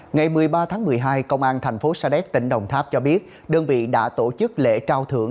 ngày một mươi ba tháng một mươi hai công an thành phố sa đéc tỉnh đồng tháp cho biết đơn vị đã tổ chức lễ trao thưởng